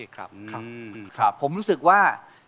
คอยเธอกลับมา